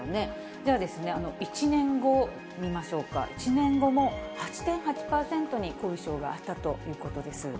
では、１年後、見ましょうか、１年後も８．８％に後遺症があったということです。